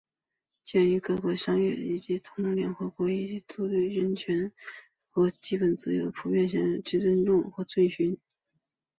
鉴于各会员国业已誓愿同联合国合作以促进对人权和基本自由的普遍尊重和遵行